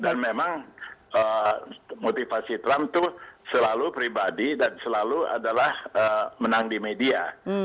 dan memang motivasi trump itu selalu pribadi dan selalu adalah menang di media